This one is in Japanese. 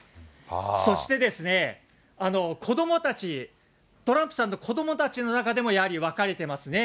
そして子どもたち、トランプさんの子どもたちの中でもやはり分かれてますね。